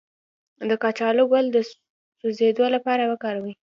د کچالو ګل د سوځیدو لپاره وکاروئ